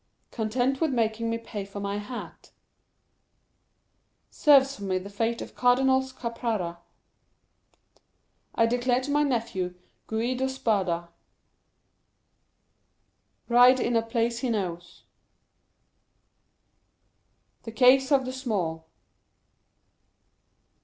content with making me pay for my hat, ...serves for me the fate of Cardinals Caprara ...I declare to my nephew, Guido Spada ...ried in a place he knows ...the caves of the small